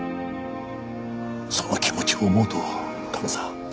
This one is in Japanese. その気持ちを思うとカメさん